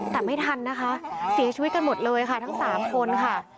แต่ไม่ทันนะคะเสียชีวิตกันหมดเลยค่ะทั้ง๓คนค่ะ